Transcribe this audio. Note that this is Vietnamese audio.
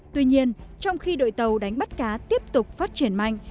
tuy nhiên trong khi đội tàu đánh bắt cá tiếp tục phát triển mạnh